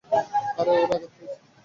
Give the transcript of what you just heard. আরে, ওরা আঘাত পেয়েছে।